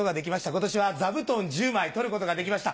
今年は座布団１０枚取ることができました。